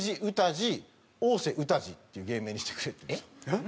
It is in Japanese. っていう芸名にしてくれって言うんですよ。